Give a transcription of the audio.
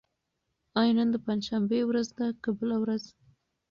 آیا نن د پنجشنبې ورځ ده که بله ورځ؟